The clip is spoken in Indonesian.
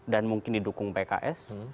dan mungkin didukung pks